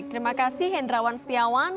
terima kasih hendrawan setiawan